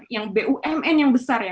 yang bumn yang besar